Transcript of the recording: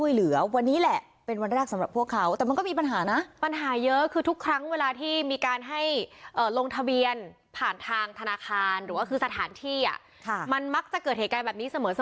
หรือว่าคือสถานที่มันมักจะเกิดเหตุการณ์แบบนี้เสมอ